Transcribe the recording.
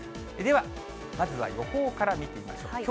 では、まずは予報から見てみましょう。